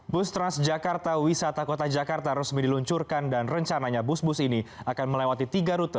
bus transjakarta wisata kota jakarta resmi diluncurkan dan rencananya bus bus ini akan melewati tiga rute